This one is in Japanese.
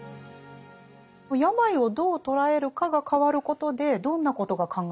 病をどう捉えるかが変わることでどんなことが考えられるんですか？